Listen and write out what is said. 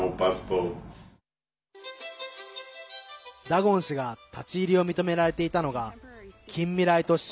ダゴン氏が立ち入りを認められていたのが近未来都市